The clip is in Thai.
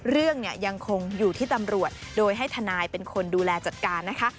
เรื่องเนี่ยยังคงอยู่ที่ตำรวจโดยให้ทนายเป็นคนดูแลจัดการนะคะ